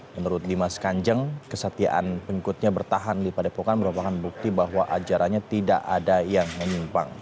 menurut dimas kanjeng kesetiaan pengikutnya bertahan di padepokan merupakan bukti bahwa ajarannya tidak ada yang menyimpang